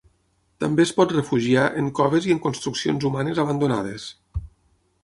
També es pot refugiar en coves i en construccions humanes abandonades.